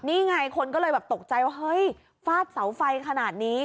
นี่ไงคนก็เลยแบบตกใจว่าเฮ้ยฟาดเสาไฟขนาดนี้